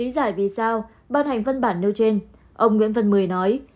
tại vì sao ban hành văn bản nêu trên ông nguyễn văn mười nói